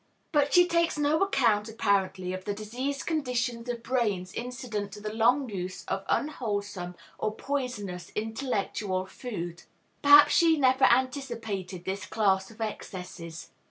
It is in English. But she takes no account, apparently, of the diseased conditions of brains incident to the long use of unwholesome or poisonous intellectual food. Perhaps she never anticipated this class of excesses.